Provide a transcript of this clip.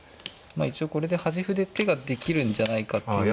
まあ一応これで端歩で手ができるんじゃないかっていう。